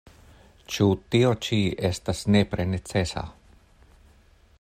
Ĉu tio ĉi estas nepre necesa?